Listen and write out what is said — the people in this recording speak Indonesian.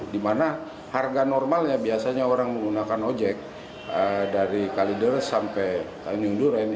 di mana harga normalnya biasanya orang menggunakan ojek dari kalideres sampai tanjung duren